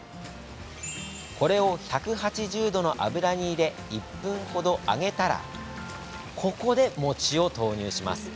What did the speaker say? これを１８０度の油に入れ１分ほど揚げたらここで、餅を投入します。